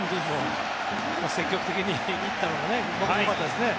積極的にいったのが良かったですね。